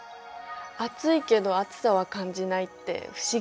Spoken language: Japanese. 暑いけど暑さは感じないって不思議ね。